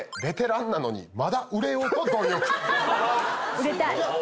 売れたい。